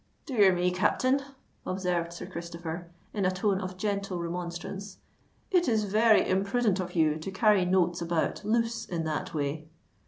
"Dear me, captain," observed Sir Christopher, in a tone of gentle remonstrance, "it is very imprudent of you to carry notes about loose in that way."